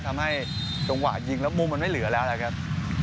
จังหวะยิงแล้วมุมมันไม่เหลือแล้วนะครับ